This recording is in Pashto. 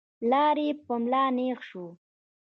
پلار يې په ملا نېغ شو.